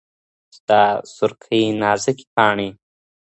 ستا سورکۍ نازکي پاڼي